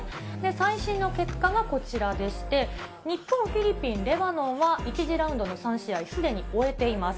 最新の結果がこちらでして、日本、フィリピン、レバノンは１次ラウンドの３試合すでに終えています。